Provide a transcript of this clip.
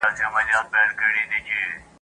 اوښکي چي له سترګو